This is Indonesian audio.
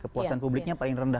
kepuasan publiknya paling rendah